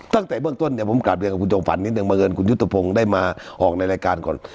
ตั้งแต่เบื้องต้นเนี่ยผมกลับเรียนกับคุณจอมฝันนิดนึงบังเอิญคุณยุทธพงศ์ได้มาออกในรายการก่อน